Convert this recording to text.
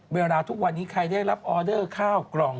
เวลาทุกวันนี้ใครได้รับออเดอร์ข้าวกล่อง